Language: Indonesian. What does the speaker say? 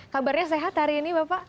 kabarnya sehat hari ini bapak